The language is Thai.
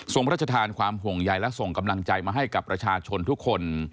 พระราชทานความห่วงใยและส่งกำลังใจมาให้กับประชาชนทุกคน